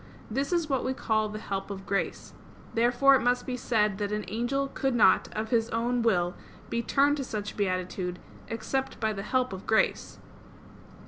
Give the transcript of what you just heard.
This is what we call the help of grace. Therefore it must be said that an angel could not of his own will be turned to such beatitude, except by the help of grace.